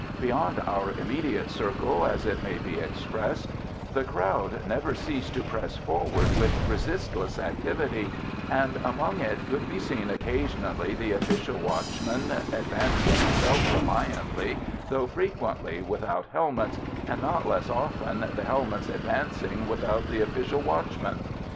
Beyond our immediate circle, as it may be expressed, the crowd never ceased to press forward with resistless activity, and among it could be seen occasionally the official watchmen advancing self reliantly, though frequently without helmets, and, not less often, the helmets advancing without the official watchmen.